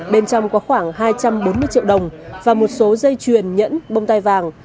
bên trong có khoảng hai trăm bốn mươi triệu đồng và một số dây chuyền nhẫn bông tai vàng